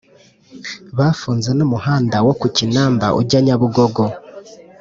bafunze n’umuhanda wo ku kinamba ujya Nyabugogo